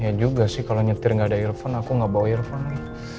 ya juga sih kalau nyetir gak ada earphone aku gak bawa earphone